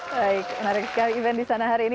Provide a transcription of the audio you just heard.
baik menarik sekali event di sana hari ini